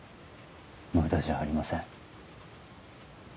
無駄じゃありません。